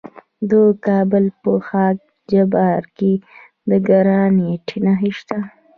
د کابل په خاک جبار کې د ګرانیټ نښې شته.